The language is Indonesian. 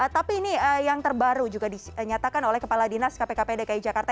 tapi ini yang terbaru juga dinyatakan oleh kepala dinas kpkp dki jakarta